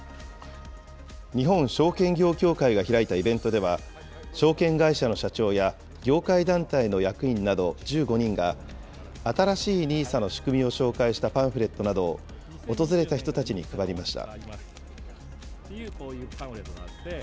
日本証券業協会が開いたイベントでは、証券会社の社長や、業界団体の役員など１５人が、新しいＮＩＳＡの仕組みを紹介したパンフレットなどを訪れた人たちに配りました。